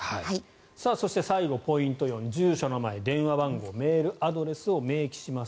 そして最後、ポイント４住所、名前、電話番号メールアドレスを明記します。